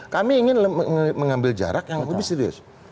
kami ingin mengambil jarak yang lebih serius